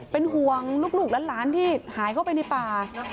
เป็นห่วงลูกหลานที่หายเข้าไปในป่า